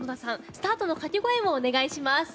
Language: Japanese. スタートの掛け声をお願いします。